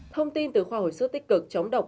thông tin từ khoa hồi sức tích cực chống độc